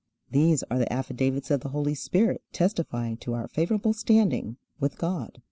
These are the affidavits of the Holy Spirit testifying to our favorable standing with God.